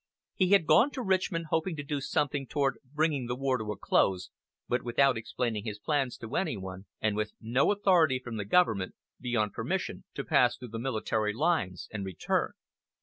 He had gone to Richmond hoping to do something toward bringing the war to a close, but without explaining his plans to anyone, and with no authority from the government, beyond permission to pass through the military lines and return.